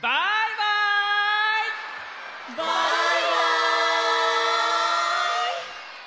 バイバイ！